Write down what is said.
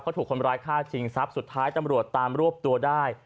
เขาถูกคนร้ายฆ่าชิงทรัพย์สุดท้ายตำรวจตามรวบตัวได้